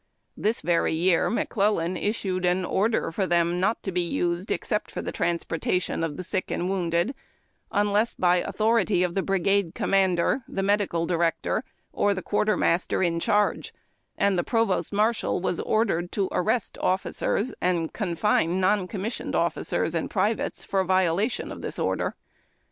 This very year McClellan ivssued an order for them not to be used except for the transportation of the side and wounded, unless by authority of the brigade commander, the medical director, or the quartermaster in charge, and the provost marshal was ordered to arrest officers and confine non commissioned offi cers and privates for violation of the order.